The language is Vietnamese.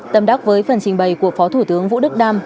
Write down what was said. tâm đắc với phần trình bày của phó thủ tướng vũ đức đam